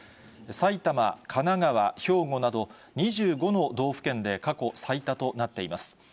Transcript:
埼玉、神奈川、兵庫など２５の道府県で過去最多となっています。